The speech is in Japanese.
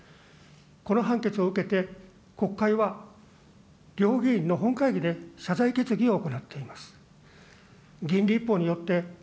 この判決を受けて、国会は両議院の本会議で謝罪決議を行っています。